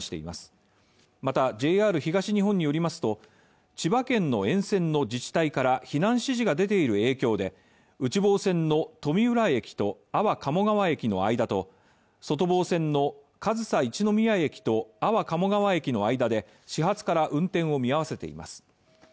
またＪＲ東日本によりますと、千葉県の沿線の自治体から避難指示が出ている影響で、内房線の富浦駅と安房鴨川駅の間で、外房線の上総一ノ宮駅と安房鴨川駅の間で始発から運転を見合わせています。